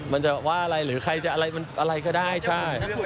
มันจะว่าอะไรหรือใครจะอะไรมันอะไรก็ได้ใช่